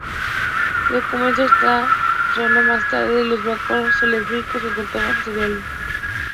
Ocuparon esta zona más tarde los vacceos, celtíberos que cultivaban cereales.